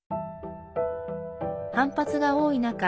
反発が多い中